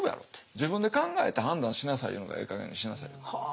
自分で考えて判断しなさいいうのがええ加減にしなさいと。